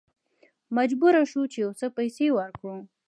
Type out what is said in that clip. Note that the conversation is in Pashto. مجبور شوو چې یو څه پیسې ورکړو.